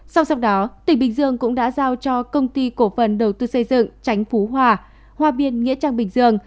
sau đó tỉnh bình dương cũng đã giao cho công ty cổ phần đầu tư xây dựng tránh phú hòa hoa biên nghĩa trang bình dương